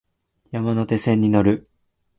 山手線に乗る